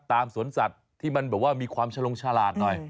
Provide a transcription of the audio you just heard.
สวนสัตว์ที่มันแบบว่ามีความชะลงฉลาดหน่อย